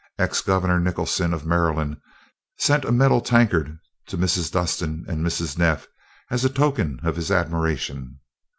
Ex Governor Nicholson, of Maryland, sent a metal tankard to Mrs. Dustin and Mrs. Neff, as a token of his admiration.